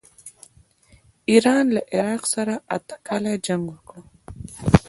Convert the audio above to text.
ایران له عراق سره اته کاله جنګ وکړ.